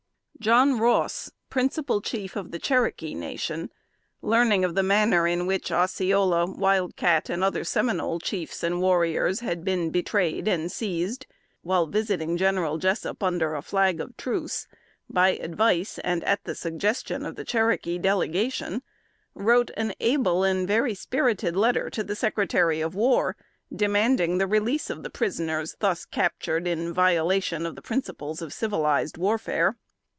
John Ross, principal chief of the Cherokee Nation, learning the manner in which Osceola, Wild Cat, and other Seminole chiefs and warriors, had been betrayed and seized, while visiting General Jessup under a flag of truce, by advice and at the suggestion of the Cherokee Delegation, wrote an able and very spirited letter to the Secretary of War, demanding the release of the prisoners thus captured in violation of the principles of civilized warfare.